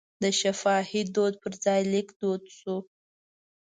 د شفاهي دود پر ځای لیک دود شو.